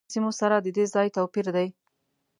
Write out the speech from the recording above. د اردن له نورو سیمو سره ددې ځای توپیر دی.